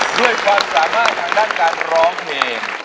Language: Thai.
ด้วยความสามารถทางด้านการร้องเพลง